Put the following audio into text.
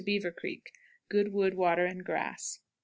Beaver Creek. Good wood, water, and grass.